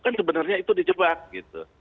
kan sebenarnya itu di jebak gitu